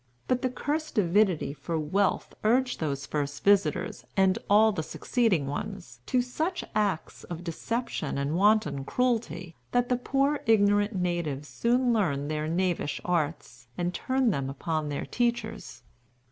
But the cursed avidity for wealth urged those first visitors, and all the succeeding ones, to such acts of deception and wanton cruelty, that the poor, ignorant natives soon learned their knavish arts, and turned them upon their teachers.